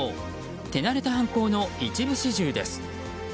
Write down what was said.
手慣れた犯行の一部始終です。